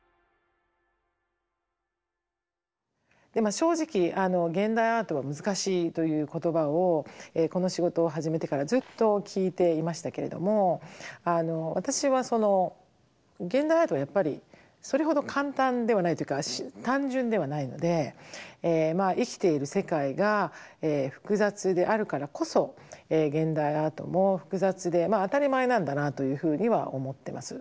正直「現代アートは難しい」という言葉をこの仕事を始めてからずっと聞いていましたけれども私は現代アートはやっぱりそれほど簡単ではないというか単純ではないので生きている世界が複雑であるからこそ現代アートも複雑でまあ当たり前なんだなというふうには思ってます。